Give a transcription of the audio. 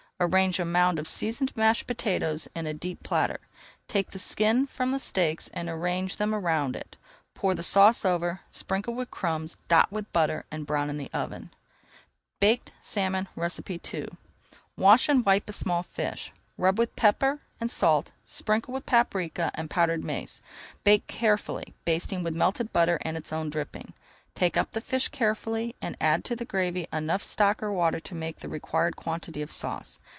Arrange a mound of seasoned mashed potatoes in a deep platter. Take the skin from the steaks and arrange them around it. Pour the sauce over, sprinkle with crumbs, dot with butter, and brown in the oven. BAKED SALMON II Wash and wipe a small fish. Rub with pepper and salt and sprinkle with paprika and powdered mace. Bake carefully, basting with melted butter and its own dripping. Take up the fish carefully and add to the gravy enough stock or water to make the required quantity of sauce.